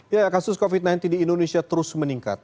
ya kasus covid sembilan belas di indonesia terus meningkat